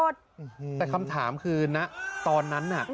แต่คำถามคือนะตอนนั้นน่ะ